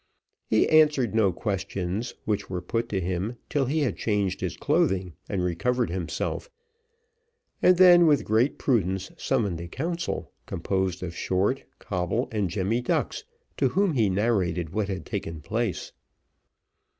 He answered no questions which were put to him till he had changed his clothing and recovered himself, and then with great prudence summoned a council, composed of Short, Coble, and Jemmy Ducks, to whom he narrated what had taken place.